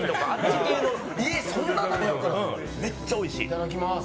いただきます。